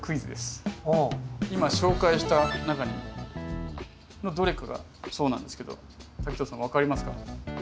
今紹介した中のどれかがそうなんですけど滝藤さん分かりますか？